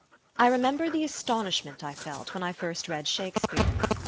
I remember the astonishment I felt when I first read Shakespeare.